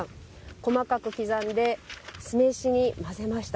細かく刻んで酢飯に混ぜました。